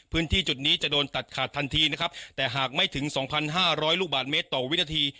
พื้นที่จุดนี้จะโดนตัดขาดทันทีนะครับแต่หากไม่ถึงสองพันห้าร้อยลูกบาทเมตรต่อวินาที